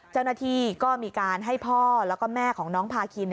เจ้าหน้าที่ก็มีการให้พ่อแล้วก็แม่ของน้องพาคิน